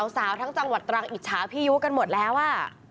สาวทั้งจังหวัดตรังอิจฉาพี่ยุกันหมดแล้วอ่ะ